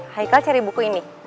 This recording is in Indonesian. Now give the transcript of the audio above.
haikal cari buku ini